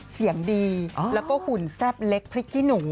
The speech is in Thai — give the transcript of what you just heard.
เสียงดีแล้วก็หุ่นแซ่บเล็กพริกขี้หนู